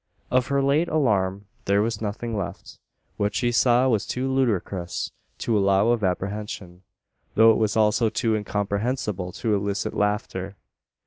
Of her late alarm there was nothing left. What she saw was too ludicrous to allow of apprehension; though it was also too incomprehensible to elicit laughter.